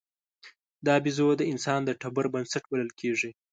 دا بیزو د انسان د ټبر بنسټ بلل کېږي.